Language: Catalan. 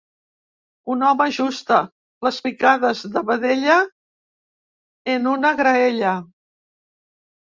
Un home ajusta les picades de vedella en una graella.